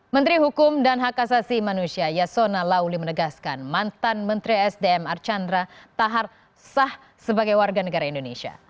menteri hukum dan hak asasi manusia yasona lauli menegaskan mantan menteri sdm archandra tahar sah sebagai warga negara indonesia